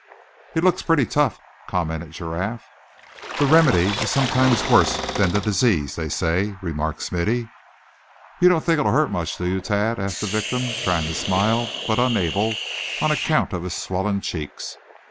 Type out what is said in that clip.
"It looks pretty tough," commented Giraffe. "The remedy is sometimes worse than the disease, they say," remarked Smithy. "You don't think it'll hurt much, do you, Thad?" asked the victim, trying to smile, but unable, on account of his swollen cheeks.